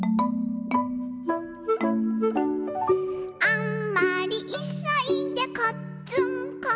「あんまりいそいでこっつんこ」